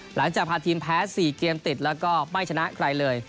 หลังจากพาทีมแพ้๔เกมติดแล้วก็ไม่ชนะใครเลย